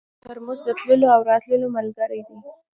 ترموز د تللو او راتلو ملګری دی.